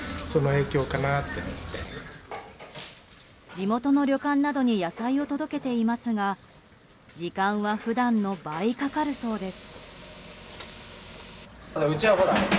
地元の旅館などに野菜を届けていますが時間は普段の倍かかるそうです。